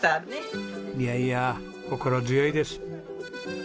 いやいや心強いです！